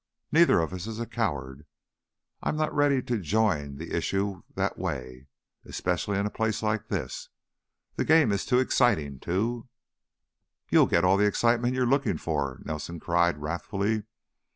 "Neither of us is a coward. I'm not ready to join the issue that way, especially in a place like this. The game is too exciting to " "You'll get all the excitement you're looking for," Nelson cried, wrathfully.